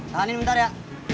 tahanin bentar ya